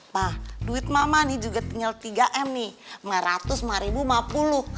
wah duit mama nih juga tinggal tiga m nih